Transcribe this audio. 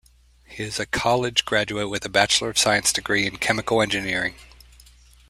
He is a college graduate with a Bachelor of Science degree in chemical engineering.